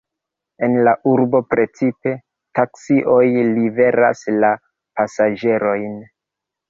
En la urbo precipe taksioj liveras la pasaĝerojn.